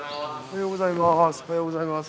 おはようございます。